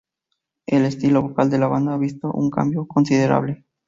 El estilo vocal de la banda ha visto un cambio considerable.